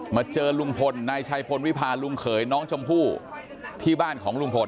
เจอลุงพลนายชัยพลวิพาลุงเขยน้องชมพู่ที่บ้านของลุงพล